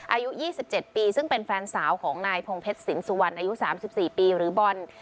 อายุ๒๗ปีซึ่งเป็นแฟนสาวของนายพงเพชรสินสุวรรณอายุ๓๔ปีหรือบอล